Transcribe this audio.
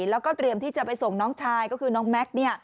แล้วก็เตรียมที่จะไปส่งน้องชายก็คือน้องแม็กซ์